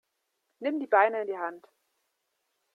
Nimm die Beine in die Hand.